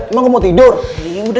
kita harus lanjutkan rencana kita